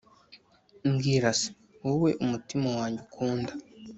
Mbwira se, wowe umutima wanjye ukunda,